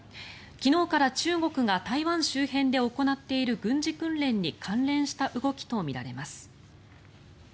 昨日から中国が台湾周辺で行っている軍事訓練に関連した動きとみられます。